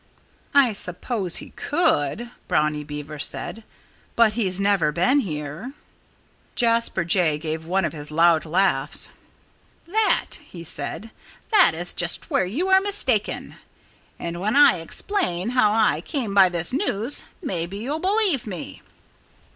"I suppose he could," Brownie Beaver said. "But he's never been here." Jasper Jay gave one of his loud laughs. "That " he said "that is just where you are mistaken. And when I explain how I came by this news, maybe you'll believe me.